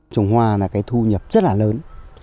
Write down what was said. trồng hoa là cái thu nhập rất là lớn